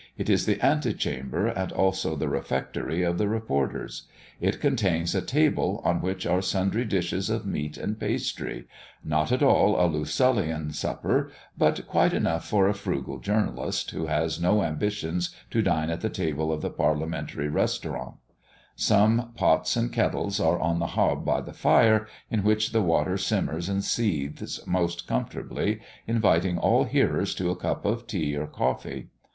It is the ante chamber, and also the refectory of the reporters. It contains a table, on which are sundry dishes of meat and pastry not at all a Lucullian supper, but quite enough for a frugal journalist, who has no ambition to dine at the table of the Parliamentary Restaurant. Some pots and kettles are on the hob by the fire, in which the water simmers and seethes most comfortably, inviting all hearers to a cup of tea or coffee.